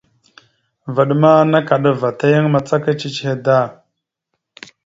Vvaɗ ma nakaɗava ta yan macaka ciche da.